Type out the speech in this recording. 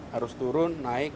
harus turun naik